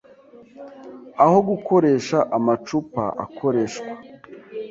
Aho gukoresha amacupa akoreshwa,